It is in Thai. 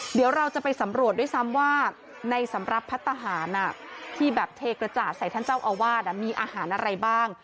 เดี๋ยวเราจะไปสำรวจด้วยซ้ำว่าในสำหรับพัฒนาหารที่แบบเทกระจาดใส่ท่านเจ้าอาวาสมีอาหารอะไรบ้าง